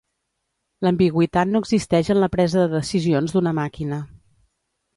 L'ambigüitat no existeix en la presa de decisions d'una màquina.